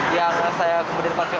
yang saya kemudian pasir